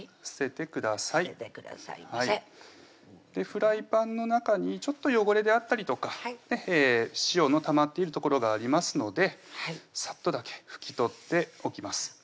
捨ててくださいませフライパンの中にちょっと汚れであったりとか塩のたまっている所がありますのでサッとだけ拭き取っておきます